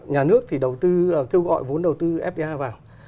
nhà nước thì đầu tư kêu gọi vốn đầu tư fdi vào